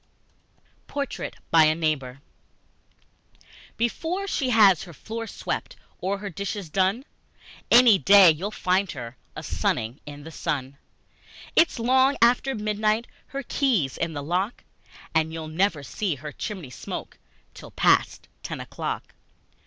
Portrait by a Neighbour BEFORE she has her floor swept Or her dishes done, Any day you'll find her A sunning in the sun! It's long after midnight, Her key's in the lock, And you'll never see her chimney smoke Till past ten o'clock!